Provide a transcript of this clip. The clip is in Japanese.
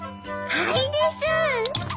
はいです！